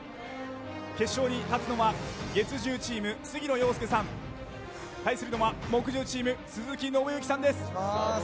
決勝に立つのは月１０チーム杉野遥亮さん対するのは木１０チーム鈴木伸之さんです。